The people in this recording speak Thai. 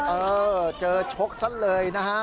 เออเจอชกซะเลยนะครับ